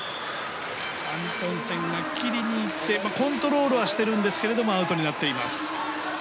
アントンセンが切りに行ってコントロールはしてるんですがアウトになっています。